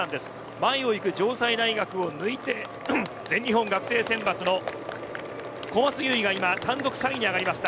前をいく城西大学を抜いて全日本学生選抜の小松優衣が今単独３位に上がりました。